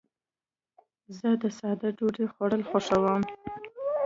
زه د ساده ډوډۍ خوړل خوښوم.